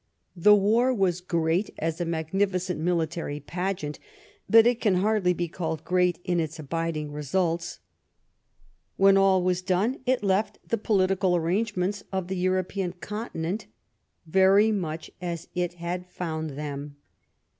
The war was great as a magnificent military pageant, but it can hardly be called great in its abiding results. When all was done it left the political arrangements of the European continent very much as it had found them.